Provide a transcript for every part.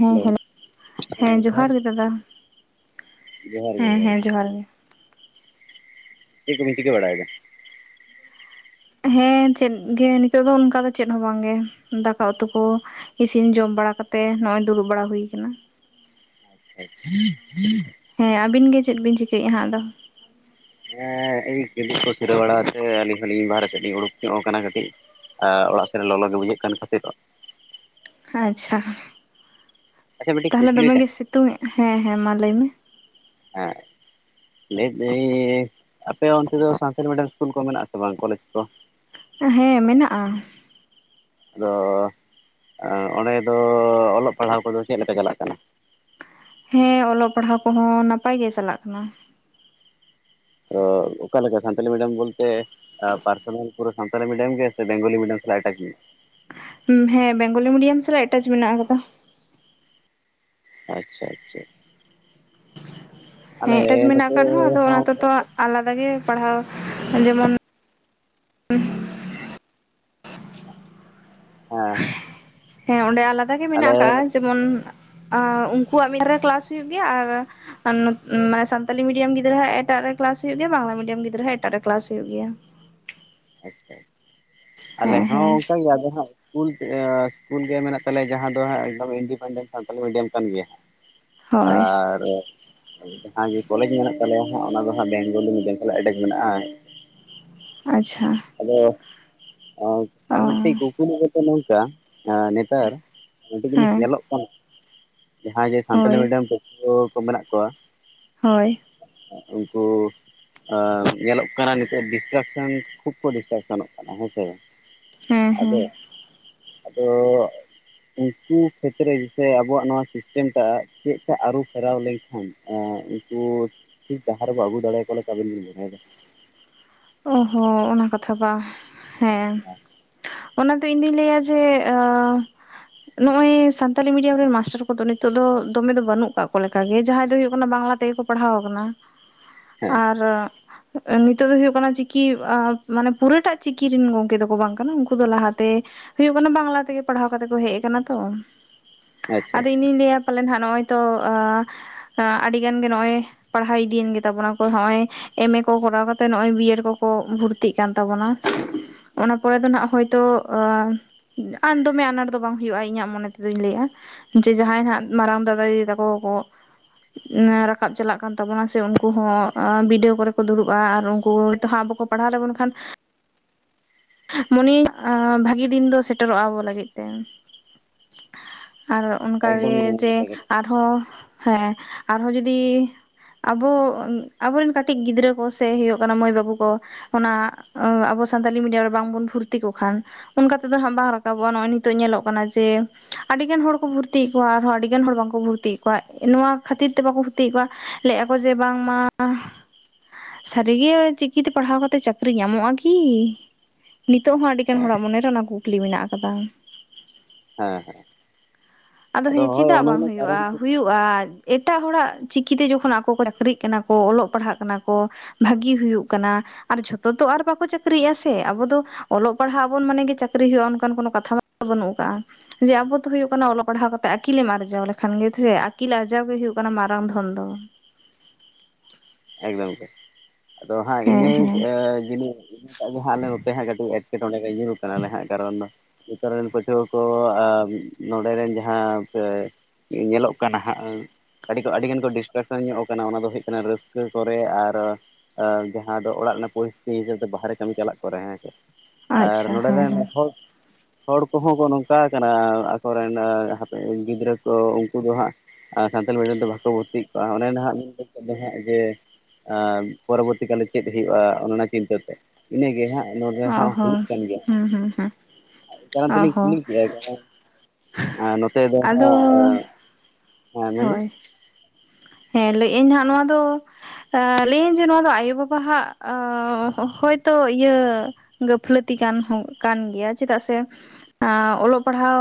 ᱦᱮᱸ ᱦᱮᱞᱳ ᱦᱮᱸ ᱡᱚᱦᱟᱨ ᱜᱮ ᱫᱟᱫᱟ ᱜᱮ ᱡᱚᱦᱟᱨ ᱜᱮ ᱦᱮᱸ ᱦᱮᱸ ᱡᱚᱦᱟᱨ ᱜᱮ᱾ ᱪᱮᱫ ᱠᱩᱵᱮᱱ ᱪᱤᱠᱟ ᱵᱟᱲᱟᱭᱮᱫᱟ? ᱦᱮᱸ ᱪᱮᱫᱜᱮ ᱱᱤᱛᱚᱜ ᱫᱚ ᱚᱱᱠᱟ ᱫᱚ ᱪᱮᱫ ᱦᱚᱸ ᱵᱟᱝᱜᱮ ᱫᱟᱠᱟ ᱩᱛᱩ ᱠᱚ᱾ ᱤᱥᱤᱱ ᱡᱚᱢ ᱵᱟᱲᱟ ᱠᱟᱛᱮᱜ ᱱᱚᱜᱼᱚᱭ ᱫᱩᱲᱩᱵ ᱵᱟᱲᱟ ᱦᱩᱭ ᱠᱟᱱᱟ᱾ [inaudible] ᱦᱮᱸ ᱟᱵᱤᱱ ᱜᱮ ᱪᱮᱫ ᱵᱤᱱ ᱪᱤᱠᱟᱹᱭᱮ ᱦᱟᱸᱜ ᱟᱫᱚ? ᱦᱮᱸ ᱤᱧ ᱠᱟᱹᱴᱤᱡ ᱠᱚ ᱥᱤᱨᱟᱹ ᱵᱟᱲᱟ ᱛᱮ ᱟᱹᱞᱤᱧ ᱦᱚᱸᱞᱤᱧ ᱵᱟᱦᱨᱮ ᱥᱮᱫ ᱞᱤᱧ ᱩᱰᱩᱠ ᱧᱚᱜ ᱟᱠᱟᱱᱟ ᱠᱟᱹᱴᱤᱡ᱾ ᱚᱨ ᱚᱲᱟᱜ ᱥᱮᱫ ᱨᱮ ᱞᱚᱞᱚ ᱜᱮ ᱵᱩᱡᱷᱟᱹᱜ ᱠᱟᱱ ᱠᱷᱟᱹᱛᱤᱨ᱾ ᱟᱪᱷᱟ ᱟᱪᱪᱷᱟ ᱢᱤᱫᱴᱤᱡ ᱛᱟᱦᱚᱞᱮ ᱠᱩᱠᱞᱤ ᱫᱚᱢᱮ ᱜᱮ ᱛᱟᱦᱮᱸ ᱥᱤᱛᱩᱝ ᱮ ᱦᱮᱸ ᱦᱮᱸ ᱢᱟ ᱞᱟᱹᱭ ᱢᱮ᱾ ᱦᱮᱸ ᱞᱟᱹᱭ ᱫᱟᱹᱧ ᱟᱯᱮ ᱚᱱᱛᱮ ᱫᱚ ᱥᱟᱱᱛᱟᱲᱤ ᱢᱤᱰᱤᱭᱟᱢ ᱤᱥᱠᱩᱞ ᱠᱚ ᱢᱮᱱᱟᱜ ᱟᱥ ᱵᱟᱝ ᱠᱚᱞᱮᱡᱽ ᱠᱚ ᱦᱮᱸ ᱢᱮᱱᱟᱜ-ᱟ ᱟᱫᱚ ᱚᱸ ᱚᱸᱰᱮ ᱫᱚ ᱚᱞᱚᱜ ᱯᱟᱲᱦᱟᱜ ᱠᱚᱫᱚ ᱪᱮᱫ ᱞᱮᱠᱟ ᱪᱟᱞᱟᱜ ᱠᱟᱱᱟ? ᱦᱮᱸ ᱚᱞᱚᱜ ᱯᱟᱲᱦᱟᱣ ᱠᱚᱦᱚᱸ ᱱᱟᱯᱟᱭ ᱜᱮ ᱪᱟᱞᱟᱜ ᱠᱟᱱᱟ ᱾ ᱚ ᱚᱠᱟ ᱞᱮᱠᱟ ᱥᱟᱱᱛᱟᱞᱤ ᱢᱤᱰᱤᱭᱟᱢ ᱵᱚᱞᱛᱮ, ᱯᱟᱨᱥᱚᱱᱟᱞ ᱯᱩᱨᱟᱹ ᱥᱟᱱᱛᱟᱞᱤ ᱢᱤᱰᱭᱟᱢ ᱜᱮ ᱥᱮ ᱵᱮᱝᱜᱚᱞᱤ ᱢᱤᱰᱤᱭᱟᱢ ᱥᱟᱞᱟᱜ ᱮᱴᱟᱜ ᱢᱮᱱᱟᱜᱼᱟ ᱾ ᱦᱮᱸ ᱵᱮᱝᱜᱚᱞᱤ ᱢᱤᱰᱤᱭᱟᱢ ᱥᱟᱞᱟᱜ ᱮᱴᱟᱪ ᱢᱮᱱᱟᱜ ᱟᱠᱟᱫᱟ ᱾ ᱟᱪᱪᱷᱟ ᱟᱪᱪᱷᱟ ᱟᱞᱮ ᱦᱮᱸ ᱮᱴᱟᱪ ᱢᱮᱱᱟᱜ ᱱᱚᱛᱮ ᱟᱠᱟᱫ ᱨᱮᱦᱚᱸ ᱟᱫᱚ ᱦᱚᱸ ᱚᱱᱟ ᱛᱮ ᱚᱱᱠᱟ ᱛᱚ ᱜᱮ ᱟᱞᱟᱫᱟ ᱜᱮ ᱯᱟᱲᱦᱟᱣ ᱡᱮᱢᱚᱱ, [inaudible] ᱦᱮᱸ ᱦᱮᱸ ᱦᱮᱸ ᱚᱸᱰᱮ ᱟᱞᱟᱫᱟ ᱜᱮ ᱟᱞᱮ ᱢᱮᱱᱟᱜ ᱟᱠᱟᱜᱼᱟ ᱡᱮᱢᱚᱱ ᱟ ᱩᱱᱠᱩᱣᱟᱜ ᱢᱤᱫ ᱫᱷᱟᱨᱮ ᱠᱮᱞᱟᱥ ᱦᱩᱭᱩᱜ ᱜᱮᱭᱟ ᱟᱨ ᱟᱱᱮ ᱥᱟᱱᱛᱟᱞᱤ ᱢᱤᱰᱤᱭᱟᱢ ᱜᱤᱫᱽᱨᱟᱹ ᱦᱟᱸᱜ ᱮᱴᱟᱜ ᱨᱮ ᱠᱮᱞᱟᱥ ᱦᱩᱭᱩᱜ ᱜᱮᱭᱟ ᱵᱟᱝᱞᱟ ᱢᱤᱰᱤᱭᱟᱢ ᱜᱤᱫᱽᱨᱟᱹ ᱦᱚ ᱮᱴᱟᱜ ᱨᱮ ᱠᱮᱞᱟᱥ ᱦᱩᱭᱩᱜ ᱜᱮᱭᱟ ᱾ ᱟᱪᱪᱷᱟ ᱟᱞᱮ ᱦᱮᱸ ᱦᱚᱸ ᱦᱮᱸ ᱚᱱᱠᱟ ᱜᱮ ᱟᱫᱚ ᱦᱟᱸᱜ ᱤᱥᱠᱩᱞ ᱤᱥᱠᱩᱞ ᱜᱮ ᱢᱮᱱᱟᱜ ᱛᱟᱞᱮᱭᱟ ᱡᱟᱦᱟᱸ ᱫᱚ ᱮᱠᱫᱚᱢ ᱤᱱᱰᱤᱯᱮᱱᱰᱮᱱᱴ ᱥᱟᱱᱛᱟᱞᱤ ᱢᱤᱰᱤᱭᱟᱢ ᱠᱟᱱ ᱜᱮᱭᱟ ᱦᱟᱸᱜ, ᱦᱳᱭ ᱟᱨ ᱡᱟᱦᱟᱸ ᱜᱮ ᱠᱚᱞᱮᱡᱽ ᱢᱮᱱᱟᱜ ᱛᱟᱞᱮᱭᱟ ᱦᱟᱸᱜ ᱚᱱᱟ ᱫᱚ ᱦᱟᱸᱜ ᱵᱮᱝᱜᱚᱞᱤ ᱢᱤᱰᱤᱭᱟᱢ ᱥᱟᱞᱟᱜ ᱮᱴᱮᱡ ᱢᱮᱱᱟᱜᱼᱟ ᱾ ᱟᱪᱪᱷᱟ ᱟᱫᱚ ᱟᱨ ᱚ ᱢᱤᱫᱴᱤᱡ ᱠᱩᱠᱩᱞᱤ ᱠᱟᱛᱮ ᱱᱚᱝᱠᱟ ᱱᱮ ᱛᱟᱨ ᱟᱹᱰᱤ ᱡᱤᱱᱤᱥ ᱦᱮᱸ ᱧᱮᱞᱚᱜ ᱠᱟᱱᱟ ᱡᱟᱦᱟᱸᱭ ᱜᱮ ᱥᱟᱱᱛᱟᱞᱤ ᱦᱳᱭ ᱢᱤᱰᱤᱭᱟᱢ ᱛᱮ, ᱯᱟᱹᱴᱷᱩᱭᱟᱹ ᱠᱚ ᱢᱮᱱᱟᱜ ᱠᱚᱣᱟ ᱾ ᱦᱳᱭ ᱩᱱᱠᱩ ᱧᱮᱞᱚᱜ ᱠᱟᱱᱟ ᱱᱤᱛᱚᱜ ᱰᱤᱥᱠᱟᱠᱥᱮᱱ ᱠᱷᱩᱵ ᱠᱚ ᱰᱤᱥᱴᱟᱠᱥᱚᱱᱚᱜ ᱠᱟᱱᱟ ᱦᱮᱸᱥᱮ ᱦᱮᱸ ᱦᱮᱸ ᱟᱫᱚ ᱟᱫᱚ ᱩᱱᱠᱩ ᱠᱷᱮᱛᱨᱮ ᱥᱮ ᱟᱵᱚᱣᱟᱜ ᱱᱚᱣᱟ ᱥᱤᱥᱴᱮᱢ ᱴᱟᱜ ᱪᱮᱜ ᱠᱟ ᱟᱹᱨᱩ ᱯᱷᱮᱨᱟᱣ ᱞᱮᱱᱠᱷᱟᱱ ᱩᱱᱠᱩ ᱴᱷᱤᱠ ᱡᱟᱦᱟᱸ ᱨᱮᱠᱚ ᱵᱚ ᱟᱹᱜᱩ ᱫᱟᱲᱮ ᱟᱠᱚ ᱞᱮᱠᱟ ᱵᱮᱱ ᱵᱩᱡᱷᱟᱹᱣ ᱮᱫᱟ ᱾ ᱚ ᱦᱮᱸ ᱚᱱᱟ ᱠᱟᱛᱷᱟ ᱵᱟᱝ ᱦᱮᱸ ᱚᱱᱟ ᱫᱚ ᱤᱧᱫᱩᱧ ᱞᱟᱹᱭᱟ ᱡᱮ ᱚᱻ ᱱᱚᱜᱼᱚᱭ ᱥᱟᱱᱛᱟᱞᱤ ᱢᱤᱰᱤᱭᱟᱢ ᱨᱮᱱ ᱢᱟᱥᱴᱟᱨ ᱠᱚᱫᱚ ᱱᱤᱛᱚᱜ ᱫᱚᱢᱮ ᱫᱚ ᱵᱟᱹᱱᱩᱜ ᱠᱟᱜ ᱠᱚ ᱞᱮᱠᱟᱜᱮ ᱡᱟᱦᱟᱸᱭ ᱫᱚ ᱦᱩᱭᱩᱜ ᱠᱟᱱᱟ ᱵᱟᱝᱞᱟ ᱛᱮᱜᱮ ᱠᱚ ᱯᱟᱲᱦᱟᱣ ᱠᱟᱱᱟ ᱾ [inaudible] ᱟᱨ ᱱᱤᱛᱚᱜ ᱫᱚ ᱦᱩᱭᱩᱜ ᱠᱳᱱᱳ ᱪᱤᱠᱤ ᱟᱜ ᱢᱟᱱᱮ ᱯᱩᱨᱟᱹᱴᱟᱜ ᱪᱤᱠᱤ ᱨᱮᱱ ᱜᱚᱝᱠᱮ ᱫᱚᱠᱚ ᱵᱟᱝ ᱠᱟᱱᱟ ᱩᱱᱠᱩ ᱫᱚ ᱞᱟᱦᱟ ᱛᱮ, ᱦᱩᱭᱩᱜ ᱠᱟᱱᱟ ᱵᱟᱝᱞᱟ ᱛᱮᱜᱮ ᱯᱟᱲᱦᱟᱣ ᱠᱟᱛᱮᱜ ᱠᱚ ᱦᱮᱡ ᱟᱠᱟᱱᱟ ᱛᱚ ᱟᱪᱪᱷᱟ ᱟᱪᱪᱷᱟ ᱟᱫᱚ ᱤᱧ ᱫᱚᱧ ᱞᱟᱹᱭᱟ ᱯᱟᱞᱮᱱ ᱦᱟᱸᱜ ᱱᱚᱜᱼᱚᱭ ᱛᱚ ᱟᱸᱻ ᱟᱹᱰᱤ ᱜᱟᱱᱜᱮ ᱱᱚᱜᱼᱚᱭ ᱯᱟᱲᱦᱟᱣ ᱤᱫᱤᱭᱮᱱ ᱜᱮᱛᱟᱵᱚᱱᱟ ᱠᱚ ᱱᱚᱜᱼᱚᱭ ᱮᱢᱮ ᱠᱚ ᱠᱚᱨᱟᱣ ᱠᱟᱛᱮ ᱱᱚᱜᱼᱚᱭᱼᱼ ᱵᱤᱭᱮᱹᱰ ᱠᱚᱠᱚ ᱵᱷᱩᱨᱛᱤᱜ ᱠᱟᱱ ᱛᱟᱵᱚᱱᱟ ᱚᱱᱟ ᱯᱚᱨᱮ ᱫᱚ ᱱᱟᱦᱟᱜ ᱦᱳᱭ ᱛᱚ ᱟ ᱟᱨ ᱫᱚᱢᱮ ᱟᱱᱟᱴ ᱫᱚ ᱵᱟᱝ ᱦᱩᱭᱩᱜᱼᱟ ᱤᱧᱟᱹᱜ ᱢᱚᱱᱮ ᱛᱮᱫᱩᱧ ᱞᱟᱹᱭᱮᱜᱼᱟ ᱾ ᱡᱮ ᱡᱟᱦᱟᱸᱭ ᱦᱟᱸᱜ ᱢᱟᱨᱟᱝ ᱫᱟᱫᱟ ᱫᱤᱫᱤ ᱛᱟᱠᱚ ᱠᱚ ᱨᱟᱠᱟᱵ ᱪᱟᱞᱟᱜ ᱠᱟᱱ ᱛᱟᱵᱚᱱᱟ ᱥᱮ ᱩᱱᱠᱩ ᱦᱚᱸ ᱵᱤᱰᱟᱹᱣ ᱠᱚᱨᱮ ᱠᱚ ᱫᱩᱲᱩᱵ ᱟ ᱟᱨ ᱩᱱ ᱠᱩ ᱛᱚ ᱦᱟᱸᱜ ᱵᱟᱠᱚ ᱯᱟᱲᱦᱟᱣ ᱞᱮᱵᱚᱱ ᱠᱷᱟᱱ ᱢᱚᱱᱮᱭ ᱤᱧ ᱵᱷᱟᱹᱜᱤ ᱫᱤᱱ ᱫᱚ ᱥᱮᱴᱮᱨᱚᱜᱼᱟ ᱟᱵᱚ ᱞᱟᱹᱜᱤᱫ ᱛᱮ, ᱟᱨ ᱚᱱᱠᱟ ᱮᱠᱫᱚᱢ ᱜᱮ ᱱᱟᱯᱟᱭ ᱡᱮ ᱠᱟᱛᱷᱟ᱾ ᱟᱨ ᱦᱚᱸ ᱦᱮᱸ ᱟᱨᱦᱚᱸ ᱡᱩᱫᱤ ᱟᱵᱚ ᱟᱵᱚᱨᱮᱱ ᱠᱟᱹᱴᱤᱡ ᱜᱤᱫᱽᱨᱟᱹ ᱠᱚ ᱥᱮ ᱦᱩᱭᱩᱜ ᱠᱟᱱᱟ ᱢᱟᱹᱭ ᱵᱟᱹᱵᱩ ᱠᱚ ᱚᱱᱟ ᱟᱵᱚ ᱥᱟᱱᱛᱟᱞᱤ ᱢᱤᱰᱤᱭᱟᱢ ᱨᱮ ᱵᱟᱝᱵᱚᱱ ᱵᱷᱩᱨᱛᱤ ᱠᱚᱜ ᱠᱷᱟᱱ ᱚᱱᱠᱟ ᱛᱮᱫᱚ ᱦᱟᱸᱜ ᱵᱟᱝ ᱨᱟᱠᱟᱵᱚᱜᱼᱟ ᱱᱚᱜᱼᱚᱭ ᱱᱤᱛᱚᱜ ᱧᱮᱞᱚᱜ ᱠᱟᱱᱟ ᱡᱮ ᱟᱹᱰᱤ ᱜᱟᱱ ᱦᱚᱲ ᱠᱚ ᱵᱷᱩᱨᱛᱤᱮᱫ ᱠᱚᱣᱟ ᱟᱨᱦᱚᱸ ᱟᱹᱰᱤ ᱜᱟᱱ ᱦᱚᱲ ᱵᱟᱝᱠᱚ ᱵᱷᱚᱨᱛᱤ -ᱼ ᱛᱤᱮᱫ ᱠᱚᱣᱟ ᱱᱚᱣᱟ ᱠᱷᱟᱹᱛᱤᱨ ᱛᱮ ᱵᱟᱠᱚ ᱵᱷᱩᱨᱛᱤᱭᱮᱫ ᱠᱚᱣᱟ ᱞᱟᱹᱭᱮᱜᱼᱟ ᱠᱚ ᱡᱮ ᱵᱟᱝᱢᱟ, ᱥᱟᱹᱨᱤᱜᱮ ᱪᱤᱠᱤᱛᱮ ᱯᱟᱲᱦᱟᱣ ᱠᱟᱛᱮ ᱪᱟᱹᱠᱨᱤ ᱧᱟᱢᱚᱜᱼᱟ ᱠᱤ? ᱱᱤᱛᱚᱜ ᱦᱚᱸ ᱟᱹᱰᱤ ᱜᱟᱱ ᱦᱚᱲᱟᱜ ᱢᱚᱱᱮᱨᱮ ᱚᱱᱟ ᱠᱩᱠᱞᱤ ᱢᱮᱱᱟᱜ ᱟᱠᱟᱫᱟ ᱾ ᱦᱮᱸ ᱦᱮᱸ ᱟᱫᱚ ᱦᱮᱸ ᱦᱳᱭ ᱪᱮᱫᱟᱜ ᱚᱱᱮ ᱵᱟᱝ ᱚᱱᱟ ᱦᱩᱭᱩᱜᱼᱟ ᱠᱟᱨᱚᱱ ᱛᱮ ᱦᱩᱭᱩᱜ? ᱮᱴᱟᱜ ᱦᱚᱲᱟᱜ ᱪᱤᱠᱤᱛᱮ ᱡᱚᱠᱷᱚᱱ ᱟᱠᱚ ᱠᱚ ᱪᱟᱹᱠᱨᱤᱜ ᱠᱟᱱᱟ ᱠᱚ ᱚᱞᱚᱜ ᱯᱟᱲᱦᱟᱜ ᱠᱟᱱᱟ ᱠᱚ ᱵᱷᱟᱹᱜᱤ ᱦᱩᱭᱩᱜ ᱠᱟᱱᱟ ᱟᱨ ᱡᱷᱚᱛᱚ ᱫᱚ ᱟᱨ ᱵᱟᱠᱚ ᱪᱟᱹᱠᱨᱤᱭᱜᱼᱟ ᱥᱮ ᱟᱵᱚ ᱫᱚ ᱚᱞᱚᱜ ᱯᱟᱲᱦᱟᱜ ᱟᱵᱚᱱ ᱢᱟᱱᱮ ᱜᱤ ᱪᱟᱹᱠᱨᱤ ᱦᱩᱭᱩᱜᱼᱟ ᱚᱱᱠᱟᱱ ᱠᱚᱱᱳ ᱠᱟᱛᱷᱟ ᱫᱚ ᱵᱟᱹᱱᱩᱜ ᱟᱠᱟᱜᱼᱟ ᱡᱮ ᱟᱵᱚ ᱫᱚ ᱦᱩᱭᱩᱜ ᱠᱟᱱᱟ ᱚᱞᱚᱜ ᱯᱟᱲᱦᱟᱣ ᱠᱟᱛᱮᱫ ᱟᱹᱠᱤᱞᱮᱢ ᱟᱨᱡᱟᱣ ᱞᱮᱠᱷᱟᱱ ᱜᱮ ᱥᱮ ᱟᱹᱠᱤᱞ ᱟᱨᱡᱟᱣ ᱜᱮ ᱦᱩᱭᱩᱜ ᱢᱟᱨᱟᱝ ᱫᱷᱚᱱ ᱫᱚ ᱮᱠᱫᱚᱢ ᱜᱮ ᱟᱫᱚ ᱦᱟᱸᱜ ᱦᱮᱸ ᱤᱱᱟᱹ ᱦᱮᱸ ᱡᱩᱫᱤ ᱟᱵᱩ ᱦᱟᱸᱜ ᱱᱚᱛᱮ ᱦᱟᱹᱜ ᱜᱟᱰᱤ ᱤᱧᱚᱜ ᱠᱟᱱ ᱦᱟᱸᱜ ᱜᱟᱨᱚᱲ ᱫᱚ ᱱᱮᱛᱟᱨ ᱨᱮᱱ ᱯᱟᱹᱴᱷᱩᱣᱟᱹ ᱠᱚ ᱱᱚᱸᱰᱮᱱ ᱡᱟᱦᱟᱸ ᱥᱮ ᱧᱮᱞᱚᱜ ᱠᱟᱱᱟ ᱦᱟᱸᱜ ᱟᱹᱰᱤ ᱜᱟᱱ ᱠᱚ ᱰᱤᱥᱴᱨᱟᱠᱥᱚᱱ ᱧᱚᱜ ᱠᱟᱱᱟ ᱚᱱᱟ ᱫᱚ ᱦᱩᱭᱩᱜ ᱠᱟᱱᱟ ᱨᱟᱹᱥᱠᱟᱹ ᱨᱟᱹᱥᱠᱟᱹ ᱠᱚᱨᱮ ᱟᱨ ᱡᱟᱦᱟᱸ ᱫᱚ ᱚᱲᱟᱜ ᱨᱮᱱᱟᱜ ᱯᱚᱨᱤᱥᱛᱷᱤᱛᱤ ᱦᱤᱥᱟᱹᱵ ᱛᱮ ᱵᱟᱦᱨᱮ ᱠᱟᱹᱢᱤ ᱪᱟᱞᱟᱜ ᱠᱚᱨᱮ ᱦᱮᱸᱥᱮ ᱟᱨ ᱟᱪᱪᱷᱟ ᱱᱚᱰᱮ ᱦᱮᱸ ᱨᱮᱱ ᱦᱮᱸ ᱦᱚᱸᱠᱚ ᱦᱚᱲ ᱠᱚᱦᱚᱸ ᱠᱚ ᱱᱚᱝᱠᱟ ᱠᱟᱱᱟ ᱟᱠᱚᱨᱮᱱ ᱦᱟᱯᱮ ᱜᱤᱫᱽᱨᱟᱹ ᱠᱚ ᱩᱱᱠᱩ ᱫᱚ ᱦᱟᱸᱜ ᱟᱨ ᱥᱟᱱᱛᱟᱲ ᱢᱤᱰᱤᱭᱟᱢ ᱫᱚ ᱵᱟᱠᱚ ᱵᱷᱚᱛᱛᱤᱜ ᱠᱚᱜᱼᱟ ᱟᱱᱮ ᱱᱟᱦᱟᱸᱜ ᱡᱮ ᱯᱚᱨᱚᱵᱚᱨᱛᱤ ᱠᱟᱞᱨᱮ ᱪᱮᱫ ᱦᱩᱭᱩᱜᱼᱟ ᱚᱱᱮ ᱚᱱᱟ ᱪᱤᱱᱛᱟᱹ ᱛᱮ ᱤᱱᱟᱹᱜᱮ ᱦᱟᱸᱜ ᱱᱚᱰᱮ ᱚ ᱦᱚᱸ ᱦᱩᱭᱩᱜ ᱠᱟᱱ ᱜᱮᱭᱟ ᱦᱩᱸ ᱦᱩᱸ ᱦᱩᱸ ᱚ ᱛᱮᱞᱤᱧ ᱦᱚᱸ ᱠᱩᱞᱤ ᱠᱮᱫᱟᱭ ᱱᱚᱛᱮ ᱫᱚ ᱟᱫᱚ ᱦᱟᱸᱜ ᱦᱮᱸ ᱢᱮᱱᱢᱮ ᱦᱳᱭ ᱦᱮᱸ ᱞᱟᱹᱭ ᱟᱹᱧ ᱦᱟᱸᱜ ᱱᱚᱣᱟ ᱫᱚ ᱞᱟᱹᱭᱟᱹᱧ ᱡᱮ ᱱᱚᱣᱟ ᱫᱚ ᱟᱭᱳ ᱵᱟᱵᱟᱜ ᱦᱚᱭᱛᱳ ᱤᱭᱟᱹ ᱜᱟᱹᱯᱷᱞᱟᱹᱛᱤ ᱠᱟᱱ ᱦᱚᱸ ᱠᱟᱱ ᱜᱮᱭᱟ ᱪᱮᱫᱟᱜ ᱥᱮ ᱚᱞᱚᱜ ᱯᱟᱲᱦᱟᱣ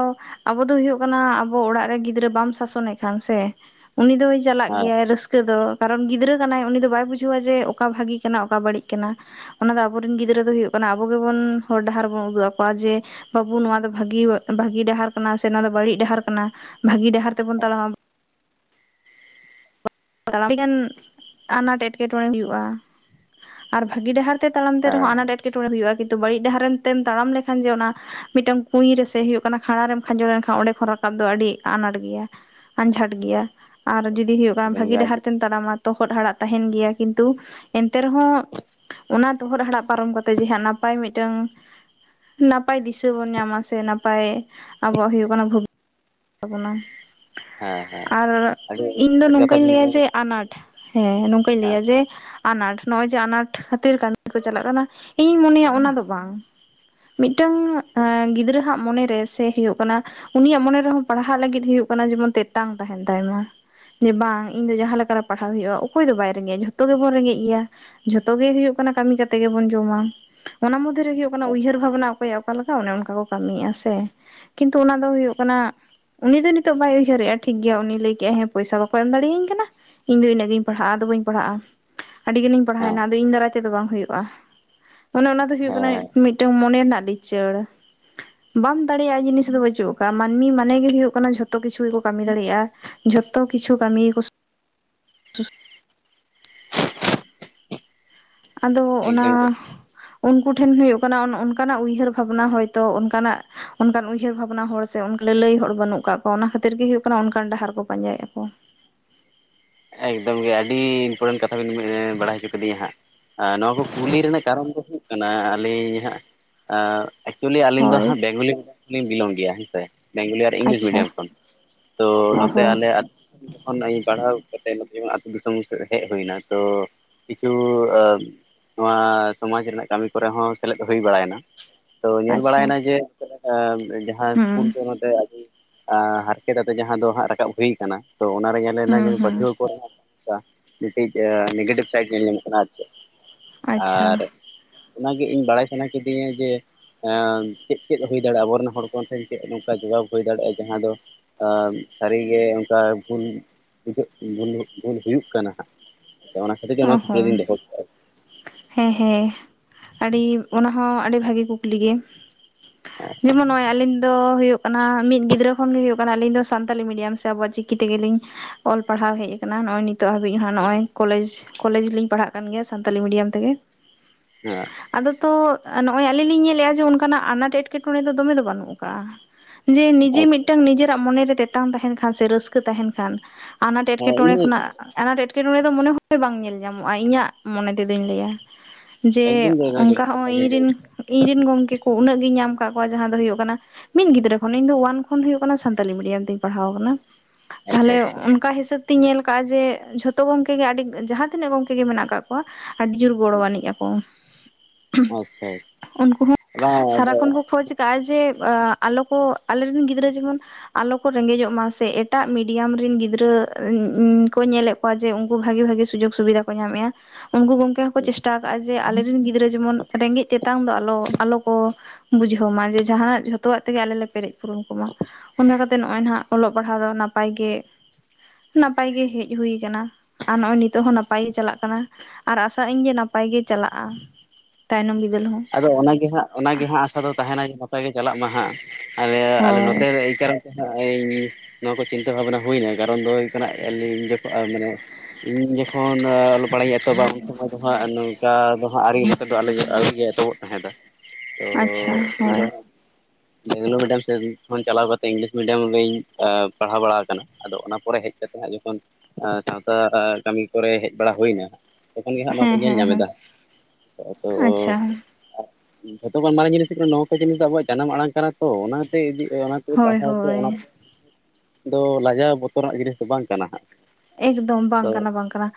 ᱟᱵᱚ ᱫᱚ ᱦᱩᱭᱩᱜ ᱠᱟᱱᱟ ᱟᱵᱚ ᱚᱲᱟᱜ ᱨᱮ ᱜᱤᱫᱽᱨᱟᱹ ᱵᱟᱢ ᱥᱟᱥᱚᱱᱮᱫ ᱠᱷᱟᱱ ᱥᱮ ᱩᱱᱤ ᱫᱚᱭ ᱪᱟᱞᱟᱜ ᱜᱮᱭᱟᱭ ᱨᱟᱹᱥᱠᱟᱹ ᱫᱚ ᱠᱟᱨᱚᱱ ᱜᱤᱫᱽᱨᱟᱹ ᱠᱟᱱᱟᱭ ᱩᱱᱤ ᱫᱚ ᱵᱟᱭ ᱵᱩᱡᱷᱟᱹᱣᱟ ᱡᱮ ᱚᱠᱟ ᱵᱷᱟᱜᱮ ᱠᱟᱱᱟ ᱚᱠᱟ ᱵᱟᱹᱲᱤᱡ ᱠᱟᱱᱟ ᱚᱱᱟ ᱫᱚ ᱟᱵᱚᱨᱮᱱ ᱜᱤᱫᱽᱨᱟᱹ ᱫᱚ ᱦᱩᱭᱩᱜ ᱠᱟᱱᱟ ᱟᱵᱚ ᱜᱮᱵᱚᱱ ᱦᱚᱨ ᱰᱟᱦᱟᱨ ᱵᱚᱱ ᱩᱫᱩᱜ ᱟᱠᱚᱣᱟ ᱡᱮ ᱵᱟᱹᱵᱩ ᱱᱚᱣᱟ ᱫᱚ ᱵᱷᱟᱹᱜᱤ ᱵᱷᱟᱹᱜᱤ ᱰᱟᱦᱟᱨ ᱠᱟᱱᱟ ᱥᱮ ᱱᱚᱣᱟ ᱫᱚ ᱵᱟᱹᱲᱤᱡ ᱰᱟᱦᱟᱨ ᱠᱟᱱᱟ ᱵᱷᱟᱹᱜᱤ ᱰᱟᱦᱟᱨ ᱛᱮᱵᱚᱱ ᱛᱟᱲᱟᱣ ᱢᱟ ᱟᱹᱰᱤᱜᱟᱱ ᱟᱱᱟᱴ ᱮᱸᱴᱠᱮᱴᱚᱬᱮ ᱦᱩᱭᱩᱜᱼᱟ ᱟᱨ ᱵᱷᱟᱹᱜᱤ ᱰᱟᱦᱟᱨ ᱛᱟᱲᱟᱢ ᱛᱮ ᱨᱮᱦᱚᱸ ᱟᱱᱟᱴ ᱮᱸᱴᱠᱮᱴᱚᱬᱮ ᱦᱩᱭᱩᱜᱼᱟ ᱠᱤᱱᱛᱩ ᱵᱟᱹᱲᱤᱡ ᱰᱟᱦᱟᱨ ᱛᱮᱢ ᱛᱟᱲᱟᱢ ᱞᱮᱠᱷᱟᱱ ᱡᱮ ᱚᱱᱟ ᱢᱤᱫᱴᱟᱝ ᱠᱩᱭ ᱨᱮ ᱥᱮ ᱦᱩᱭᱩᱜ ᱠᱟᱱᱟ ᱠᱷᱟᱨᱟ ᱨᱮᱢ ᱠᱷᱟᱸᱡᱚ ᱞᱮᱱᱠᱷᱟᱱ ᱚᱸᱰᱮ ᱨᱟᱠᱟᱵ ᱫᱚ ᱟᱹᱰᱤ ᱟᱱᱟᱴ ᱜᱮᱭᱟ ᱟᱸᱡᱷᱟᱴ ᱜᱮᱭᱟ ᱟᱨ ᱡᱩᱫᱤ ᱦᱩᱭᱩᱜ ᱵᱤᱱ ᱦᱮᱸ ᱦᱮᱸ ᱮᱠᱫᱚᱢ ᱵᱷᱟᱹᱜᱤ ᱜᱮ ᱰᱟᱦᱟᱨ ᱛᱮᱢ ᱛᱟᱲᱟᱢᱟ ᱛᱚᱦᱚᱫ ᱦᱟᱲᱟᱜ ᱛᱟᱦᱮᱟᱸᱦᱱ ᱜᱮᱭᱟ ᱠᱤᱱᱛᱩ ᱮᱱᱛᱮ ᱨᱮᱦᱚᱸ ᱚᱱᱟ ᱛᱚᱦᱩᱚᱫ ᱦᱟᱲᱟᱜ ᱯᱟᱨᱚᱢ ᱠᱟᱛᱮᱜ ᱡᱮ ᱦᱟᱸᱜ ᱱᱟᱯᱟᱭ ᱢᱤᱫᱴᱟᱝ ᱱᱟᱯᱟᱭ ᱫᱤᱥᱟᱹ ᱵᱚᱱ ᱧᱟᱢᱟ ᱥᱮ ᱱᱟᱯᱟᱭ ᱟᱵᱚᱣᱟᱜ ᱦᱩᱭᱩᱜ ᱠᱟᱱᱟ ᱦᱮᱸ ᱦᱮᱸ ᱟᱨ ᱟᱹᱰᱤ ᱤᱧ ᱫᱚ ᱡᱚᱛᱷᱟᱛ ᱠᱟᱛᱷᱟ ᱱᱚᱝᱠᱟᱧ ᱵᱤᱱ ᱞᱟᱹᱭᱟ ᱢᱮᱱ ᱡᱮ ᱟᱱᱟᱴ ᱦᱮᱸ ᱱᱚᱝᱠᱟᱧ ᱞᱟᱹᱭᱟ ᱠᱟᱜᱼᱟ ᱡᱮ ᱟᱱᱟᱴ ᱱᱚᱜᱼᱚᱭ ᱡᱮ ᱟᱱᱟᱴ ᱠᱷᱟᱹᱛᱤᱨ ᱠᱟᱹᱢᱤ ᱠᱚ ᱪᱟᱞᱟᱜ ᱠᱟᱱᱟ ᱤᱧᱤᱧ ᱢᱚᱱᱮᱭᱟ ᱚᱱᱟ ᱫᱚ ᱵᱟᱝ ᱢᱤᱫᱴᱟᱝ ᱜᱤᱫᱽᱨᱟᱹ ᱦᱟᱜ ᱢᱚᱱᱮ ᱨᱮ ᱥᱮ ᱦᱩᱭᱩᱜ ᱠᱟᱱᱟ ᱩᱱᱤᱭᱟᱜ ᱢᱚᱱᱮ ᱨᱮᱦᱚᱸ ᱯᱟᱲᱦᱟᱜ ᱞᱟᱹᱜᱤᱫ ᱦᱩᱭᱩᱜ ᱠᱟᱱᱟ ᱡᱮᱢᱚᱱ ᱛᱮᱛᱟᱝ ᱛᱟᱦᱮᱱ ᱛᱟᱭᱢᱟ ᱡᱮ ᱵᱟᱝ ᱤᱧ ᱫᱚ ᱡᱟᱦᱟᱸ ᱞᱮᱠᱟᱟᱨ ᱯᱟᱲᱦᱟᱣ ᱦᱩᱭᱩᱜᱼᱟ ᱚᱠᱚᱭ ᱫᱚ ᱵᱟᱭ ᱨᱮᱸᱜᱮᱡᱼᱟ ᱡᱷᱚᱛᱚ ᱜᱮᱵᱚᱱ ᱨᱮᱸᱜᱮᱡ ᱜᱮᱭᱟ ᱡᱷᱚᱛᱚ ᱜᱮ ᱦᱩᱭᱩᱜ ᱠᱟᱱᱟ ᱠᱟᱹᱢᱤ ᱠᱟᱛᱮᱜ ᱜᱮᱵᱚᱱ ᱡᱚᱢᱟ ᱚᱱᱟ ᱢᱚᱫ ᱢᱚᱫᱽᱫᱷᱮ ᱨᱮ ᱦᱩᱭᱩᱜ ᱠᱟᱱᱟ ᱩᱭᱦᱟᱹᱨ ᱵᱷᱟᱵᱽᱱᱟ ᱚᱠᱚᱭᱟᱜ ᱚᱠᱟ ᱞᱮᱠᱟ ᱚᱱᱮ ᱚᱱᱠᱟ ᱠᱚ ᱠᱟᱹᱢᱤᱭᱮᱫᱼᱟ ᱥᱮ ᱠᱤᱱᱛᱩ ᱚᱱᱟ ᱫᱚ ᱦᱩᱭᱩᱜ ᱠᱟᱱᱟ ᱩᱱᱤ ᱫᱚ ᱱᱤᱛᱚᱜ ᱵᱟᱭ ᱩᱭᱦᱟᱹᱨᱮᱜᱼᱟ ᱴᱷᱤᱠ ᱜᱮᱭᱟ ᱩᱱᱤᱤᱭ ᱞᱟᱹᱭ ᱠᱼᱟ ᱦᱮᱸ ᱯᱚᱭᱥᱟ ᱵᱟᱠᱚ ᱮᱢ ᱫᱟᱲᱮᱟᱹᱧ ᱠᱟᱱᱟ ᱤᱧ ᱫᱚ ᱤᱱᱟᱹᱜ ᱜᱤᱧ ᱯᱟᱲᱦᱟᱜᱼᱟ ᱟᱫᱚ ᱵᱟᱹᱧ ᱯᱟᱲᱦᱟᱜᱼᱟ ᱟᱹᱰᱤ ᱜᱟᱱᱤᱧ ᱯᱟᱲᱦᱟᱣᱱᱟ ᱦᱮᱸ ᱟᱫᱚ ᱤᱧ ᱫᱟᱨᱟᱭ ᱛᱮᱫᱚ ᱵᱟᱝ ᱦᱩᱭᱩᱜᱼᱟ ᱚᱱᱮ ᱚᱱᱟ ᱫᱚ ᱦᱳᱭᱳᱜ ᱦᱮᱸ ᱠᱟᱱᱟ ᱦᱮᱸ ᱢᱤᱫᱴᱟᱝ ᱢᱚᱱᱮ ᱨᱮᱱᱟᱜ ᱞᱤᱪᱟᱹᱲ ᱵᱟᱢ ᱫᱟᱲᱮᱭᱟᱜᱼᱟ ᱡᱤᱱᱤᱥ ᱫᱚ ᱵᱟᱹᱪᱩᱜ ᱢᱟᱹᱱᱢᱤ ᱢᱚᱱᱮ ᱜᱮ ᱦᱩᱭᱩᱜ ᱠᱟᱱᱟ ᱡᱷᱚᱛᱚ ᱠᱤᱪᱷᱩ ᱜᱮᱠᱚ ᱠᱟᱹᱢᱤ ᱫᱟᱲᱮᱭᱟᱜᱼᱟ ᱡᱷᱚᱛᱚ ᱠᱤᱪᱷᱩ ᱠᱟᱹᱢᱤ ᱜᱮ ᱥᱩ [unintelligible] ᱟᱫᱚ ᱚᱱᱟ ᱮᱠᱫᱚᱢ ᱜᱮ ᱩᱱᱠᱩ ᱴᱷᱮᱱ ᱦᱩᱭᱩᱜ ᱠᱟᱱᱟ ᱚᱱᱠᱟᱱᱟᱜ ᱩᱭᱦᱟᱹᱨ ᱵᱷᱟᱵᱽᱱᱟ ᱦᱚᱭᱛᱚ ᱚᱱᱠᱟᱱᱟᱜ ᱚᱱᱠᱟᱱ ᱩᱭᱦᱟᱹᱨ ᱵᱷᱟᱵᱽᱱᱟ ᱦᱚᱲ ᱥᱮ ᱚᱱᱠᱟ ᱚᱱᱠᱟᱱ ᱩᱭᱦᱟᱨ ᱵᱷᱟᱵᱱᱟ ᱦᱚᱲ ᱥᱮ ᱞᱟᱹᱞᱟᱹᱭ ᱚ ᱚᱱᱠᱟᱱ ᱩᱭᱦᱟᱨ ᱵᱷᱟᱵᱱᱟ ᱦᱚᱲ ᱥᱮ ᱞᱟᱞᱟᱭ ᱦᱚᱲ ᱚᱱᱠᱟᱱ ᱩᱭᱦᱟᱹᱨ ᱵᱷᱟᱵᱱᱟ ᱦᱚᱲ ᱥᱮ ᱞᱟᱞᱟᱭ ᱚᱱᱠᱟᱱ ᱩᱭᱦᱟᱹᱨ ᱵᱷᱟᱵᱱᱟ ᱦᱚᱲ ᱥᱮ ᱞᱟᱞᱟᱭ ᱦᱚᱲ ᱵᱟᱹᱱᱩᱜ ᱠᱟᱜ ᱠᱚᱣᱟ ᱚᱱᱟ ᱠᱷᱟᱹᱛᱤᱨ ᱜᱮ ᱦᱩᱭᱩᱜᱜ ᱠᱟᱱᱟ ᱚᱱᱠᱟᱱ ᱰᱟᱦᱟᱨ ᱠᱚ ᱯᱟᱡᱟᱭᱮᱫ ᱻᱟ ᱠᱚ ᱮᱠᱫᱚᱢ ᱜᱮ ᱟᱹᱰᱤ ᱤᱱᱯᱚᱴᱮᱱᱴ ᱠᱟᱛᱷᱟ ᱵᱤᱱ ᱵᱟᱲᱟᱭ ᱦᱚᱪᱚ ᱠᱟᱫᱤᱧᱟ ᱦᱟᱸᱜ ᱟᱨ ᱱᱚᱣᱟ ᱠᱚ ᱠᱩᱞᱤ ᱨᱮᱱᱟᱜ ᱠᱟᱨᱚᱱ ᱫᱚ ᱦᱩᱭᱩᱜ ᱠᱟᱱᱟ ᱟᱹᱞᱤᱧ ᱦᱟᱸᱜ ᱮᱠᱪᱩᱭᱮᱞᱤ ᱟᱹᱞᱤᱧ ᱫᱚ ᱦᱳᱭ ᱦᱟᱸᱜ ᱵᱮᱝᱜᱚᱞᱤᱡᱞᱤᱧ ᱵᱤᱞᱚᱢ ᱜᱮᱭᱟ ᱦᱮᱸ ᱥᱮ ᱵᱮᱝᱜᱚᱞᱤ ᱟᱨ ᱤᱝᱞᱤᱥ ᱟᱪᱪᱷᱟ ᱢᱤᱰᱤᱭᱟᱢ ᱠᱷᱚᱱ ᱛᱚ ᱚ ᱱᱚᱛᱮ ᱦᱚᱸ ᱟᱞᱮ ᱡᱚᱠᱷᱚᱧ ᱯᱟᱲᱦᱟᱣ ᱛᱮ ᱱ ᱡᱮᱢᱚᱱ ᱟᱹᱛᱩ ᱫᱤᱥᱚᱢ ᱦᱮᱡ ᱦᱩᱭᱮᱱᱟ ᱛᱚ ᱠᱤᱪᱷᱩ ᱱᱚᱣᱟ ᱥᱚᱢᱟᱡᱽ ᱨᱮᱱᱟᱜ ᱠᱟᱹᱢᱤ ᱠᱚᱨᱮ ᱦᱚᱸ ᱥᱮᱞᱮᱫ ᱦᱩᱭ ᱵᱟᱲᱟᱭᱮᱱᱟ᱾ ᱛᱚ ᱧᱮᱞ ᱟᱪᱪᱷᱟ ᱵᱟᱲᱟᱭᱮᱱᱟ ᱡᱮ ᱡᱟᱦᱟᱸ ᱦᱩᱸ ᱤᱥᱠᱩᱞ ᱠᱚ ᱱᱚᱛᱮ ᱦᱟᱨᱠᱮᱛ ᱟᱛᱮ ᱡᱟᱦᱟᱸ ᱫᱚ ᱦᱟᱸᱜ ᱨᱟᱠᱟᱵ ᱦᱩᱭ ᱠᱟᱱᱟ ᱛᱚ ᱚᱱᱟᱨᱮ ᱧᱮᱞ ᱞᱮᱱᱟ ᱦᱩᱸ ᱡᱮ ᱦᱩᱸ [unintelligible] ᱢᱤᱫᱴᱤᱡ ᱱᱮᱜᱮᱴᱤᱵᱷ ᱥᱟᱭᱤᱰ ᱧᱮᱞ ᱧᱟᱢᱚᱜ ᱠᱟᱱᱟ ᱟᱨ ᱪᱮᱫ, ᱟᱪᱪᱷᱟ ᱟᱨ ᱚᱱᱟᱜᱮ ᱤᱧ ᱵᱟᱲᱟᱭ ᱥᱟᱱᱟ ᱠᱤᱫᱤᱧᱟ ᱡᱮ ᱪᱮᱫ ᱪᱮᱫ ᱦᱩᱭ ᱫᱟᱲᱮᱭᱟᱜᱼᱟ ᱟᱵᱚᱨᱮᱱ ᱦᱚᱲ ᱠᱚᱚᱱ ᱴᱷᱮᱱ ᱪᱮᱫ ᱱᱚᱝᱠᱟ ᱡᱚᱵᱟᱵ ᱦᱩᱭ ᱫᱟᱲᱮᱭᱟᱜᱼᱟ ᱡᱟᱦᱟᱸ ᱫᱚ ᱥᱟᱹᱨᱤᱜᱮ ᱚᱱᱠᱟ ᱵᱷᱩᱞ ᱵᱩᱡᱷᱟᱹᱜ ᱵᱷᱩᱞ ᱦᱩᱭᱩᱜ ᱠᱟᱱᱟ ᱦᱟᱸᱜᱼᱟ ᱚᱱᱟ ᱠᱷᱟᱹᱛᱤᱨ ᱜᱮ ᱚ ᱱᱚᱣᱟ ᱠᱩᱠᱞᱤ ᱦᱚᱸ ᱫᱩᱸᱧ ᱫᱚᱦᱚ ᱠᱮᱫᱟᱼᱟ᱾ ᱦᱮᱸ ᱦᱮᱸ ᱟᱹᱰᱤ ᱚᱱᱟᱦᱚ ᱟᱹᱰᱤ ᱵᱷᱟᱜᱤ ᱠᱩᱠᱞᱤ ᱜᱮ᱾ ᱦᱮᱸ ᱡᱮᱢᱚᱱ ᱱᱚᱜᱼᱚᱭ ᱟᱹᱞᱤᱧ ᱫᱚ ᱦᱩᱭᱩᱜ ᱠᱟᱱᱟ ᱢᱤᱫ ᱜᱤᱫᱽᱨᱟᱹ ᱠᱷᱚᱱ ᱜᱮ ᱦᱩᱭᱩᱜ ᱠᱟᱱᱟ ᱟᱞᱤᱧ ᱫᱚ ᱥᱟᱱᱛᱟᱞᱤ ᱢᱤᱰᱤᱭᱟᱢ ᱥᱮ ᱟᱵᱚᱣᱟᱜ ᱪᱤᱠᱤ ᱛᱮᱜᱮᱞᱤᱧ ᱚᱞ ᱯᱟᱲᱦᱟᱣ ᱦᱮᱡ ᱟ ᱱᱚᱜᱼᱚᱭ ᱱᱤᱛᱚᱜ ᱦᱟᱹᱵᱤᱡ ᱦᱜ ᱱᱚᱜᱼᱚᱭ ᱠᱚᱞᱮᱡᱽ ᱠᱚᱞᱮᱡᱽ ᱞᱤᱧ ᱯᱟᱲᱦᱟᱜ ᱠᱟᱱ ᱜᱮᱭᱟ ᱥᱟᱱᱛᱟᱞᱤ ᱢᱤᱰᱤᱭᱟᱢ ᱛᱮᱜᱮ᱾ ᱦᱮᱸ ᱟᱫᱚ ᱛᱚ ᱱᱚᱜᱼᱚᱭ ᱟᱞᱤᱧ ᱞᱤᱧ ᱧᱮᱞᱮᱫᱼᱟ ᱡᱮ ᱚᱱᱠᱟᱱᱟᱜ ᱟᱱᱟᱴ ᱮᱴᱠᱮᱴᱚᱬᱮ ᱫᱚ ᱫᱚᱢᱮ ᱫᱚ ᱵᱟᱹᱱᱩᱜ ᱠᱟᱜᱼᱟ᱾ ᱡᱮ ᱱᱤᱡᱮ ᱟᱪᱪᱷᱟ ᱢᱤᱫᱴᱟᱝ ᱱᱤᱡᱮᱨᱟᱜ ᱢᱚᱱᱮᱨᱮ ᱛᱮᱛᱟᱝ ᱛᱟᱦᱮᱱ ᱠᱷᱟᱱ ᱥᱮ ᱨᱟᱹᱥᱠᱟᱹ ᱛᱟᱦᱮᱱ ᱠᱷᱟᱱ, ᱟᱱᱟᱴ ᱦᱮᱸ ᱮᱴᱠᱮᱴᱚᱬᱮ ᱤᱱᱟᱹᱜᱮ ᱠᱷᱚᱱᱟᱜ ᱟᱱᱟᱴ ᱮᱴᱠᱮᱴᱚᱬᱮ ᱫᱚ ᱢᱚᱱᱮ ᱵᱟᱝ ᱧᱮᱞ ᱧᱟᱢᱚᱜᱼᱟ ᱤᱧᱟᱹᱜ ᱢᱚᱱᱮ ᱛᱮᱫᱩᱹᱧ ᱞᱟᱹᱭᱟ ᱡᱮ ᱮᱠᱫᱚᱢ ᱜᱮ ᱱᱚᱣᱟ ᱚᱱᱠᱟ ᱡᱚᱛᱷᱟᱛ ᱠᱟᱛᱷᱟ ᱦᱚᱸᱜᱚᱭ ᱵᱤᱱ ᱤᱧᱨᱮᱱ ᱞᱟᱹᱭ ᱤᱧ ᱨᱮᱱ ᱜᱚᱢᱠᱮ ᱠᱚ ᱩᱱᱟᱹᱜ ᱜᱤᱧ ᱧᱟᱢ ᱠᱟᱜ ᱠᱚᱣᱟ ᱡᱟᱦᱟᱸ ᱫᱚ ᱦᱩᱭᱩᱜ ᱠᱟᱱᱟ, ᱢᱤᱫ ᱜᱤᱫᱽᱨᱟᱹ ᱠᱷᱚᱱ ᱤᱧ ᱫᱚ ᱳᱭᱟᱱ ᱠᱷᱚᱱ ᱦᱩᱭᱩᱜ ᱠᱟᱱᱟ ᱥᱟᱱᱛᱟᱞᱤ ᱢᱤᱰᱤᱭᱟᱢ ᱛᱤᱧ ᱯᱟᱲᱦᱟᱣ ᱠᱟᱱᱟ᱾ ᱟᱪᱪᱷᱟ ᱛᱟᱦᱞᱮ ᱟᱪᱪᱷᱟ ᱚᱱᱠᱟ ᱦᱤᱥᱟᱹᱵ ᱛᱤᱧ ᱧᱮᱞ ᱠᱟᱜᱼᱟ ᱡᱮ ᱡᱷᱚᱛᱚ ᱜᱚᱝᱠᱮ ᱜᱮ ᱟᱰᱤ ᱡᱟᱦᱟᱸ ᱛᱤᱱᱟᱹᱜ ᱜᱚᱝᱠᱮ ᱜᱮ ᱢᱮᱱᱟᱜ ᱠᱟᱜ ᱠᱚᱣᱟ ᱟᱹᱰᱤ ᱡᱳᱨ ᱜᱚᱲᱚ ᱟᱹᱱᱤᱡ ᱟᱠᱚ᱾ ᱟᱪᱪᱷᱟ ᱩᱱᱠᱩ ᱦᱚᱸ ᱵᱟᱝ ᱟᱫᱚ ᱥᱟᱨᱟᱠᱷᱚᱱ ᱠᱚ ᱠᱷᱚᱡ ᱠᱟᱜᱼᱟ ᱡᱮ ᱟᱞᱚ ᱠᱚ ᱟᱞᱮᱨᱮᱱ ᱜᱤᱫᱽᱨᱟᱹ ᱡᱮᱢᱚᱱ ᱟᱞᱚ ᱠᱚ ᱨᱮᱸᱜᱮᱡᱚᱜ ᱢᱟ ᱥᱮ ᱮᱴᱟᱜ ᱢᱤᱰᱤᱭᱟᱢ ᱨᱮᱱ ᱜᱤᱫᱽᱨᱟᱹ ᱠᱚ ᱧᱮᱞᱮᱫ ᱠᱚᱣᱟ ᱡᱮ ᱩᱱᱠᱩ ᱵᱷᱟᱜᱤ ᱵᱷᱟᱜᱤ ᱥᱩᱡᱳᱜᱽ ᱥᱩᱵᱤᱫᱷᱟ ᱠᱚ ᱧᱟᱢᱮᱫᱼᱟ, ᱩᱱᱠᱩ ᱜᱚᱝᱠᱮ ᱦᱚᱸᱠᱚ ᱪᱮᱥᱴᱟ ᱟᱠᱟᱜᱼᱟ ᱡᱮ ᱟᱞᱮᱨᱮᱱ ᱜᱤᱫᱽᱨᱟᱹ ᱡᱮᱢᱚᱱ ᱨᱮᱸᱜᱮᱡ ᱛᱮᱛᱟᱝ ᱫᱚ ᱟᱞᱚ ᱟᱞᱚ ᱠᱚ ᱵᱩᱡᱷᱟᱹᱣ ᱢᱟ ᱡᱮ ᱡᱟᱦᱟᱱᱟᱜ ᱡᱷᱚᱛᱚᱣᱟᱜ ᱛᱮᱜᱮ ᱟᱞᱮ ᱞᱮ ᱯᱮᱨᱮᱡ ᱯᱩᱨᱚᱱ ᱠᱚᱢᱟ᱾ ᱚᱱᱟ ᱠᱟᱛᱮᱜ ᱱᱚᱜᱼᱚᱭ ᱱᱟᱜ ᱚᱞᱚᱜ ᱯᱟᱲᱦᱟᱣ ᱫᱚ ᱱᱟᱯᱟᱭ ᱜᱮ, ᱱᱟᱯᱟᱭ ᱜᱮ ᱦᱮᱡ ᱦᱩᱭ ᱠᱟᱱᱟ ᱟᱨ ᱱᱚᱜᱼᱚᱭ ᱱᱤ ᱛᱚᱜ ᱦᱚᱸ ᱱᱟᱯᱟᱭ ᱜᱮ ᱪᱟᱞᱟᱜ ᱠᱟᱱᱟ ᱟᱨ ᱟᱥᱟᱜ ᱟᱹᱧ ᱡᱮ ᱱᱟᱯᱟᱭ ᱜᱮ ᱪᱟᱞᱟᱜᱼᱟ ᱛᱟᱭᱱᱚᱢ ᱵᱤᱫᱟᱹᱞ ᱦᱚᱸ᱾ ᱟᱫᱚ ᱚᱱᱟᱜᱮ ᱦᱟᱸᱜ ᱚᱱᱟᱜᱮ ᱦᱟᱸᱜ ᱟᱥᱟ ᱫᱚ ᱛᱟᱦᱮᱱᱟ ᱡᱮ ᱱᱚᱛᱮ ᱜᱮ ᱪᱟᱞᱟᱜ ᱢᱟ ᱦᱟᱸᱜ ᱟᱞᱮ ᱟᱞᱮ ᱱᱚᱛᱮ ᱦᱳᱭ ᱨᱮ ᱮᱭ ᱠᱟᱨᱚᱱ ᱤᱧ ᱱᱚᱣᱟ ᱠᱚ ᱪᱤᱱᱛᱟᱹ ᱵᱷᱟᱵᱱᱟ ᱦᱩᱭᱱᱟ ᱠᱟᱨᱚᱱ ᱫᱚ ᱦᱩᱭᱩᱜ ᱠᱟᱱᱟ ᱟᱹᱞᱤᱧ ᱡᱚᱠᱷᱚᱱ ᱢᱟᱱᱮ ᱤᱧ ᱡᱚᱠᱷᱚᱱ ᱚᱞ ᱯᱟᱲᱦᱟᱣᱹᱧ ᱮᱛᱟᱵ ᱟ ᱩᱱ ᱥᱚᱢᱚᱭ ᱫᱚ ᱦᱟᱸᱜ ᱱᱚᱝᱠᱟ ᱫᱚ ᱦᱟᱸᱜ [unintelligible] ᱮᱛᱚᱵᱚᱜ ᱛᱟᱦᱮᱸ ᱫᱟ ᱛᱚ ᱟᱪᱪᱷᱟ ᱦᱳᱭ ᱤᱧᱫᱚ ᱵᱮᱝᱞᱳ ᱢᱤᱰᱤᱭᱟᱢ ᱥᱮᱱ ᱠᱷᱚᱱ ᱪᱟᱞᱟᱣ ᱠᱟᱛᱮ ᱤᱝᱞᱤᱥ ᱢᱤᱰᱤᱭᱟᱢ ᱨᱤᱧ ᱯᱟᱲᱦᱟᱣ ᱵᱟᱲᱟ ᱠᱟᱱᱟ ᱟᱫᱚ ᱚᱱᱟ ᱯᱚᱨᱮ ᱦᱮᱡ ᱠᱟᱛᱮ, ᱡᱚᱠᱷᱚᱱ ᱥᱟᱶᱛᱟ ᱠᱟᱹᱢᱤ ᱠᱚᱨᱮ ᱦᱮᱡ ᱵᱟᱲᱟ ᱦᱩᱭᱱᱟ, ᱛᱚᱠᱷᱚᱱ ᱜᱮ ᱦᱟᱸᱜ ᱱᱚᱣᱟ ᱠᱚ ᱦᱮᱸ ᱧᱮᱞ ᱦᱮᱸ ᱧᱟᱢ ᱮᱫ ᱦᱮᱸ [unintelligible] ᱟᱪᱪᱷᱟ ᱡᱷᱚᱛᱚ ᱠᱷᱚᱱ ᱢᱟᱨᱟᱝ ᱡᱤᱱᱤᱥ ᱦᱩᱭᱩᱜ ᱠᱟᱱᱟ ᱱᱚᱣᱟ ᱠᱚ ᱡᱤᱱᱤᱥ ᱫᱚ ᱟᱵᱚᱣᱟᱜ ᱡᱟᱱᱟᱢ ᱟᱲᱟᱝ ᱠᱟᱱᱟ ᱛᱚ ᱚᱱᱟᱛᱮ ᱤᱫᱤ ᱚᱱᱟ ᱦᱳᱭ ᱯᱟᱲᱦᱟᱣ ᱛᱮ ᱚᱱᱟ ᱦᱳᱭ [unintelligible] ᱫᱚ ᱞᱟᱡᱟᱣ ᱵᱚᱛᱚᱨᱟᱜ ᱡᱤᱱᱤᱥ ᱫᱚ ᱵᱟᱝ ᱠᱟᱱᱟ ᱦᱟᱸᱜ᱾ ᱮᱠᱫᱚᱢ ᱵᱟᱝ ᱟᱫᱚ ᱠᱟᱱᱟ ᱵᱟᱝ ᱠᱟᱱᱟ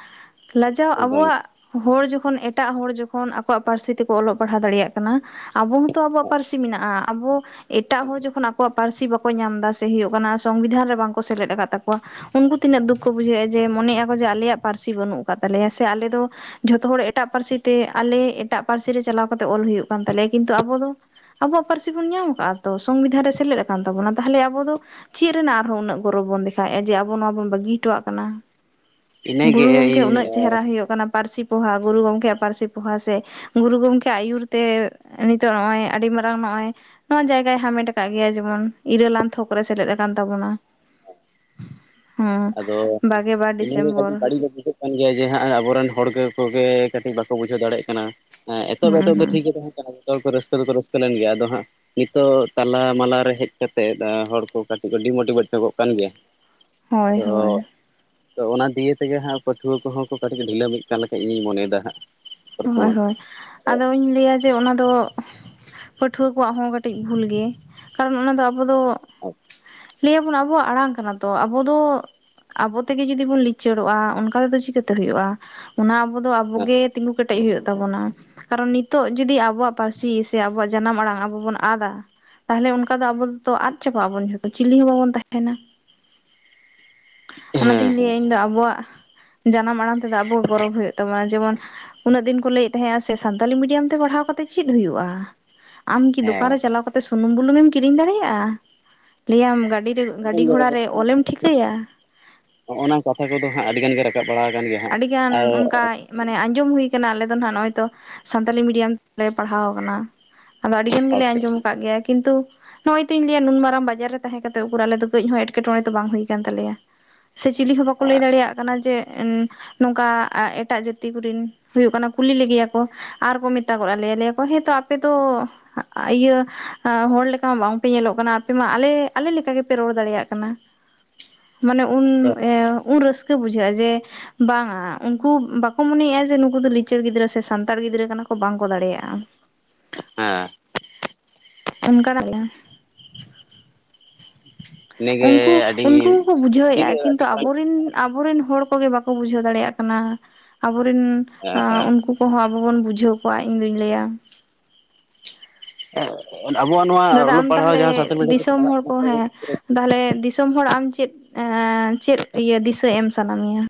ᱞᱟᱡᱟᱣ ᱮᱠᱫᱚᱢ ᱟᱵᱚᱣᱟᱜ ᱦᱚᱲ ᱡᱚᱠᱷᱚᱱ ᱮᱴᱟᱜ ᱦᱚᱲ ᱡᱚᱠᱷᱚᱱ ᱟᱠᱚᱣᱟᱜ ᱯᱟᱹᱨᱥᱤ ᱛᱮᱠᱚ ᱚᱞᱚᱜ ᱯᱟᱲᱦᱟᱣ ᱫᱟᱲᱮᱭᱟᱜ ᱠᱟᱱᱟ, ᱟᱵᱚ ᱦᱚᱸᱛᱚ ᱟᱵᱚᱣᱟᱜ ᱯᱟᱹᱨᱥᱤ ᱢᱮᱱᱟᱜᱼᱟ, ᱟᱵᱚ ᱮᱴᱟᱜ ᱦᱚᱲ ᱡᱚᱠᱷᱚᱱ ᱟᱠᱚᱣᱟᱜ ᱯᱟᱹᱨᱥᱤ ᱵᱟ ᱠᱚ ᱧᱟᱢ ᱫᱟ ᱥᱮ ᱦᱩᱭᱩᱜ ᱠᱟᱱᱟ ᱥᱚᱝᱵᱤᱫᱷᱟᱱ ᱨᱮ ᱵᱟᱝᱠᱚ ᱥᱮᱞᱮᱫ ᱟᱠᱟᱫ ᱛᱟᱠᱚ ᱩᱱᱠᱩ ᱛᱤᱱᱟᱹᱜ ᱫᱩᱠ ᱠᱚ ᱵᱩᱡᱷᱟᱹᱣᱼᱟ ᱡᱮ ᱢᱚᱱᱮᱜ ᱟᱠ ᱠᱚ ᱡᱮ ᱟᱞᱮᱭᱟᱜ ᱯᱟᱹᱨᱥᱤ ᱵᱟᱹᱱᱩᱜ ᱟᱠᱟᱫ ᱛᱟᱞᱮᱭᱟ ᱥᱮ ᱟᱞᱮ ᱫᱚ, ᱡᱷᱚᱛᱚ ᱦᱚᱲ ᱮᱴᱟᱜ ᱯᱟᱹᱨᱥᱤ ᱛᱮ ᱟᱞᱮ ᱮᱴᱟᱜ ᱯᱟᱹᱨᱥᱤ ᱨᱮ ᱪᱟᱞᱟᱣ ᱠᱟᱛᱮᱜ ᱚᱞ ᱦᱩᱭᱩᱜ ᱠᱟᱱ ᱛᱟᱞᱮᱭᱟ ᱠᱤᱱᱛᱩ ᱟᱵᱚ ᱫᱚ, ᱟᱵᱚᱣᱟᱜ ᱯᱟᱹᱨᱥᱤ ᱵᱚᱱ ᱧᱟᱢ ᱟᱠᱟᱜ ᱛᱚ ᱥᱚᱝᱵᱤᱫᱷᱟᱱ ᱨᱮ ᱥᱮᱞᱮᱫ ᱟᱠᱟᱱ ᱛᱟᱵᱚᱱᱟ ᱛᱟᱦᱚᱞᱮ ᱟᱵᱚ ᱫᱚ, ᱪᱮᱫ ᱨᱮᱱᱟᱜ ᱟᱨᱦᱚᱸ ᱩᱱᱟᱹᱜ ᱜᱚᱨᱚᱵ ᱵᱚᱱ ᱫᱮᱠᱷᱟᱣᱮᱜᱼᱟ ᱡᱮ ᱟᱵᱚ ᱱᱚᱣᱟ ᱵᱚᱱ ᱵᱟᱹᱜᱤ ᱦᱚᱴᱚᱣᱟᱜ ᱠᱟᱱᱟ ᱾ ᱤᱱᱟᱹᱜᱮ ᱜᱩᱨᱩ ᱜᱚᱝᱠᱮ ᱤᱧ ᱩᱱᱟᱹᱜ ᱪᱮᱦᱮᱨᱟ ᱦᱩᱭᱩᱜ ᱠᱟᱱᱟ ᱯᱟᱹᱨᱥᱤ ᱯᱚᱦᱟ ᱜᱩᱨᱩ ᱜᱚᱢᱠᱮᱭᱟᱜ ᱯᱟᱹᱨᱥᱤ ᱯᱚᱦᱟ ᱥᱮ ᱜᱩᱨᱩ ᱜᱚᱢᱠᱮ ᱟᱹᱭᱩᱨ ᱛᱮ ᱱᱤᱛᱚᱜ ᱱᱚᱜᱼᱚᱭ ᱟᱹᱰᱤ ᱢᱟᱨᱟᱝ ᱱᱚᱜᱼᱚᱭ ᱱᱚᱣᱟ ᱡᱟᱭᱜᱟᱭ ᱦᱟᱢᱮᱴ ᱟᱠᱟᱜ ᱜᱮᱭᱟ ᱡᱮᱢᱚᱱ ᱤᱨᱟᱹᱞᱟᱱ ᱛᱷᱚᱠ ᱨᱮ ᱥᱮᱞᱮᱫ ᱟᱠᱟᱱ ᱛᱟᱵᱚᱱᱟ ᱾ ᱦᱮᱸ ᱟᱫᱚ ᱵᱟᱠᱷᱟᱱ ᱵᱟᱜᱮ ᱵᱟᱨ ᱤᱱᱟᱹᱜᱮ ᱰᱤᱥᱮᱢᱵᱚᱨ ᱠᱟᱹᱴᱤᱡ ᱵᱟᱹᱲᱤᱡ ᱜᱮ ᱵᱩᱡᱷᱟᱹᱜ ᱠᱟᱱ ᱜᱮᱭᱟ ᱡᱮ ᱦᱟᱸᱜ ᱟᱵᱚᱨᱮᱱ ᱦᱚᱲ ᱠᱚ ᱠᱚᱜᱮ ᱠᱟᱹᱴᱤᱡ ᱵᱟᱠᱚ ᱵᱩᱡᱷᱟᱹᱣ ᱫᱟᱲᱮᱭᱟᱜ ᱠᱟᱱᱟ ᱮᱛᱚᱦᱚᱵ ᱦᱩᱸ ᱮᱛᱚᱦᱚᱵ ᱫᱚ ᱦᱩᱸ ᱴᱷᱤᱠ ᱜᱮ ᱛᱟᱦᱮᱸ ᱡᱚᱛᱚ ᱦᱚᱲ ᱨᱟᱹᱥᱠᱟᱹ ᱫᱚᱠᱚ ᱨᱟᱹᱥᱠᱟᱹᱞᱮᱱ ᱜᱮᱭᱟ ᱟᱫᱚ ᱦᱟᱸᱜ ᱱᱤᱛᱚᱜ ᱛᱟᱞᱟ ᱢᱟᱞᱟ ᱨᱮ ᱦᱮᱡ ᱠᱟᱛᱜ ᱦᱚᱲ ᱠᱚ ᱠᱟᱹᱴᱤᱡ ᱠᱚ ᱰᱤᱢᱳᱴᱤᱵᱷᱮᱴ ᱧᱚᱜ ᱠᱟᱱ ᱜᱮᱭᱟ ᱾ ᱦᱳᱭ ᱛᱚ ᱦᱳᱭ ᱛᱚ ᱚᱱᱟ ᱫᱤᱭᱟ ᱛᱮᱜᱮ ᱦᱟᱸᱜ ᱯᱟᱹᱴᱷᱩᱣᱟᱹ ᱠᱚᱦᱚᱸ ᱠᱚ ᱠᱟᱹᱴᱤᱡ ᱰᱷᱤᱞᱟᱹᱢᱤᱜ ᱠᱟᱱᱞᱮᱠᱟᱡ ᱤᱧᱤᱧ ᱢᱚᱱᱮᱭᱮᱫᱟ ᱦᱟᱸᱜ ᱦᱳᱭ ᱵᱚᱨᱛᱚᱢᱟᱱ ᱦᱳᱭ ᱟᱫᱚᱧ ᱞᱟᱹᱭᱟ ᱡᱮ ᱚᱱᱟ ᱫᱚ ᱯᱟᱹᱴᱷᱩᱣᱟᱹ ᱠᱚᱣᱟᱜ ᱦᱚᱸ ᱠᱟᱹᱴᱤᱡ ᱵᱷᱩᱞ ᱜᱮ ᱠᱟᱨᱚᱱ ᱚᱱᱟ ᱫᱚ ᱟᱵᱚ ᱫᱚ [unintelligible] ᱞᱟᱹᱭ ᱟᱵᱚᱱ ᱟᱵᱚᱣᱟᱜ ᱟᱲᱟᱝ ᱠᱟᱱᱟ ᱛᱚ ᱟᱵᱚ ᱫᱚ ᱟᱵᱚ ᱛᱮᱜᱮ ᱡᱩᱚᱫᱤ ᱵᱚᱱ ᱞᱤᱪᱟᱹᱲᱚᱜᱼᱟ ᱚᱱᱠᱟ ᱛᱮᱫᱚ ᱪᱤᱠᱟᱹᱛᱮ ᱦᱩᱭᱩᱜᱼᱟ ᱚᱱᱟ ᱟᱵᱚ ᱫᱚ ᱟᱵᱚᱜᱮ ᱛᱤᱸᱜᱩ ᱠᱮᱴᱮᱡ ᱦᱩᱭᱩᱜ ᱛᱟᱵᱚᱱᱟ ᱾ ᱠᱟᱨᱚᱱ ᱱᱤᱛᱚᱜ ᱡᱩᱫᱤ ᱟᱵᱚᱣᱟᱜ ᱯᱟᱹᱨᱥᱤ ᱥᱮ ᱟᱵᱚᱣᱟᱜ ᱡᱟᱱᱟᱢ ᱟᱲᱟᱝ ᱟᱵᱚ ᱵᱚᱱ ᱟᱫᱟ ᱛᱟᱦᱚᱞᱮ ᱚᱱᱠᱟ ᱫᱚ ᱟᱵᱚ ᱫᱚᱛᱚ ᱟᱫᱽ ᱪᱟᱵᱟᱜ ᱟᱵᱚᱱ ᱡᱚᱛᱚ ᱪᱤᱞᱤ ᱦᱚᱸ ᱵᱟᱵᱚᱱ ᱛᱟᱦᱮᱱᱟ ᱾ [unintelligible] ᱦᱮᱸ ᱚᱱᱟᱛᱤᱧ ᱞᱟᱹᱭᱟ ᱦᱮᱸ ᱤᱧ ᱫᱚ ᱟᱵᱚᱣᱟᱜ ᱡᱟᱱᱟᱢ ᱟᱲᱟᱝ ᱛᱮᱫᱚ ᱟᱵᱚ ᱜᱚᱨᱚᱵᱽ ᱦᱩᱭᱩᱜ ᱛᱟᱢᱟ ᱡᱮᱢᱚᱱ ᱩᱱᱟᱹᱜ ᱫᱤᱱ ᱠᱚ ᱞᱟᱹᱭᱮᱫ ᱛᱟᱦᱮᱸᱟᱜ ᱥᱮ ᱥᱟᱱᱛᱟᱞᱤ ᱢᱤᱰᱤᱭᱟᱢ ᱛᱮ ᱯᱟᱲᱦᱟᱣ ᱠᱟᱛᱮᱫ ᱪᱮᱫ ᱦᱩᱭᱩᱜᱼᱟ ᱾ ᱟᱢ ᱠᱤ ᱫᱚᱠᱟᱱ ᱦᱮᱸ ᱨᱮ ᱪᱟᱞᱟᱣ ᱠᱟᱛᱮ ᱥᱩᱱᱩᱢ ᱵᱩᱞᱩᱝ ᱮᱢ ᱠᱤᱨᱤᱧ ᱫᱟᱲᱮᱭᱟᱜᱼᱟ ᱞᱟᱹᱭᱟᱢ [unintelligible] ᱜᱟᱹᱰᱤ ᱜᱷᱚᱲᱟ ᱨᱮ ᱚᱞᱮᱢ ᱴᱷᱤᱠᱟᱹᱭᱟ ᱦᱚᱸᱜᱼᱚ ᱱᱟ ᱠᱟᱛᱷᱟ ᱠᱚᱫᱚ ᱦᱟᱸᱜ ᱟᱹᱰᱤᱜᱟᱱ ᱜᱮ ᱨᱟᱠᱟᱵ ᱵᱟᱲᱟ ᱟᱠᱟᱱ ᱜᱮᱭᱟ ᱦᱟᱸᱜ ᱟᱹᱰᱤᱜᱟᱱ ᱟᱨ ᱚᱱᱠᱟ ᱢᱟᱱᱮ ᱟᱸᱡᱚᱢ ᱦᱩᱭ ᱠᱟᱱᱟ ᱟᱞᱮ ᱫᱚ ᱦᱟᱜ ᱱᱚᱜᱚᱭ ᱛᱚ ᱥᱟᱱᱛᱟᱞᱤ ᱢᱤᱰᱤᱭᱟᱢ ᱛᱮᱞᱮ ᱯᱟᱲᱦᱟᱣ ᱟᱠᱟᱱᱟ ᱾ ᱟᱫᱚ ᱟᱹᱰᱤ ᱜᱟᱱ ᱜᱮᱞᱮ ᱟᱪᱪᱷᱟ ᱟᱸᱡᱚᱢ ᱟᱠᱟᱫ ᱜᱮᱭᱟ ᱠᱤᱱᱛᱩ ᱱᱚᱜᱼᱚᱭ ᱛᱚᱧ ᱞᱟᱹᱭᱟ ᱱᱩᱱ ᱢᱟᱨᱟᱝ ᱵᱟᱡᱟᱨ ᱨᱮ ᱛᱟᱦᱮᱸ ᱠᱟᱛᱮ ᱩᱠᱩᱨ ᱟᱞᱮ ᱫᱚ ᱠᱟᱹᱡ ᱦᱚᱸ ᱮᱴᱠᱮᱴᱚᱬᱮ ᱫᱚ ᱵᱟᱝ ᱦᱩᱭ ᱠᱟᱱ ᱛᱟᱞᱮᱭᱟ ᱾ ᱥᱮ ᱪᱤᱞᱤ ᱦᱚᱸ ᱵᱟᱠᱚ ᱞᱟᱹᱭ ᱫᱟᱲᱮᱭᱟᱜ ᱠᱟᱱᱟ ᱡᱮ ᱱᱚᱝᱠᱟ ᱮᱴᱟᱜ ᱡᱟᱹᱛᱤ ᱠᱚᱨᱮᱤᱱ ᱦᱩᱭᱩᱜ ᱠᱟᱱᱟ ᱠᱩᱞᱤ ᱞᱮᱜᱮᱭᱟ ᱠᱚ ᱟᱨᱠᱚ ᱢᱮᱛᱟᱜᱚᱜ ᱟᱞᱮᱭᱟ ᱞᱟᱹᱭᱟ ᱠᱚ ᱦᱮᱸᱛᱚ ᱟᱯᱮᱛᱚ ᱤᱭᱟᱹ ᱦᱚᱲ ᱞᱮᱠᱟ ᱢᱟ ᱵᱟᱝᱯᱮ ᱧᱮᱞᱚᱜ ᱠᱟᱱᱟ ᱟᱯᱮ ᱢᱟ ᱟᱞᱮ ᱟᱞᱮ ᱞᱮᱠᱟ ᱜᱮᱯᱮ ᱨᱚᱲ ᱫᱟᱲᱮᱭᱟᱜ ᱠᱟᱱᱟ ᱾ [inaudible] ᱢᱟᱱᱮ ᱩᱱ ᱟᱫᱚ ᱮ ᱩᱱ ᱨᱟᱹᱥᱠᱟᱹ ᱵᱩᱡᱷᱟᱹᱜᱼᱟ ᱡᱮ ᱵᱟᱝᱟ ᱩᱱᱠᱩ ᱵᱟᱠᱚ ᱢᱚᱱᱮᱭᱟᱜᱼᱟ ᱡᱮ ᱱᱩᱠᱩ ᱫᱚ ᱞᱤᱪᱟᱹᱲ ᱜᱤᱫᱽᱨᱟᱹ ᱥᱮ ᱥᱟᱱᱛᱟᱲ ᱜᱤᱫᱽᱨᱟᱹ ᱠᱟᱱᱟ ᱠᱚ ᱵᱟᱝ ᱠᱚ ᱫᱟᱲᱮᱭᱟᱜᱼᱟ ᱾ ᱦᱮᱸ ᱚᱱᱠᱟᱱᱟᱜ ᱤᱱᱟᱹᱜᱮ ᱩᱱᱠᱩ ᱟᱹᱰᱤ ᱩᱱᱠᱩ ᱦᱚᱸᱠᱚ ᱵᱩᱡᱷᱟᱹᱣᱮᱜᱼᱟ ᱤᱱᱟᱹᱜᱮ ᱟᱹᱰᱤ ᱠᱤᱱᱛᱩ ᱢᱟᱨᱟᱝ ᱟᱵᱚᱨᱮᱱ ᱟᱵᱚᱨᱮᱱ ᱦᱚᱲ ᱠᱚᱜᱮ ᱵᱟᱠᱚ ᱵᱩᱡᱷᱟᱹᱣ ᱫᱟᱲᱮᱭᱟᱜ ᱠᱟᱱᱟ ᱟᱵᱚᱨᱮᱱ ᱦᱮᱸ ᱩᱱᱠᱩ ᱠᱚᱦᱚᱸ ᱟᱵᱚ ᱵᱚᱱ ᱵᱩᱡᱷᱟᱹᱣ ᱠᱚᱣᱟ ᱤᱧ ᱫᱩᱧ ᱞᱟᱹᱭᱟ ᱟᱵᱚᱣᱟᱜ [unintelligible] ᱫᱟᱫᱟ ᱚᱞᱚᱜ ᱟᱢ ᱯᱟᱲᱦᱟᱣ ᱛᱟᱦᱚᱞᱮ ᱡᱟᱦᱟᱸ ᱥᱟᱱᱛᱟᱲ ᱢᱤᱰᱤᱭᱟᱢ ᱛᱮᱠᱚ ᱫᱤᱥᱚᱢ ᱯᱟᱲᱦᱟᱜ ᱦᱚᱲ ᱠᱟᱱᱟ ᱠᱚ ᱦᱮᱸ ᱛᱟᱦᱚᱞᱮ ᱫᱤᱥᱚᱢ ᱦᱚᱲ ᱟᱢ ᱪᱮᱫ ᱪᱮᱫ ᱤᱭᱟᱹ ᱫᱤᱥᱟᱹ ᱮᱢ ᱥᱟᱱᱟ ᱢᱮᱭᱟ